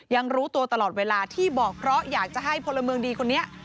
ยังรู้ตัวตลอดเวลาที่บอกเพราะอยากจะให้พลเมืองดีคนนี้